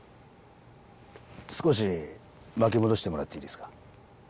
少し巻き戻してもらっていいですか？